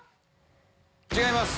違います。